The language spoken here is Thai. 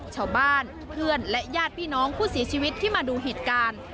ชาวบ้านเพื่อนและญาติพี่น้องผู้เสียชีวิตที่มาดูเหตุการณ์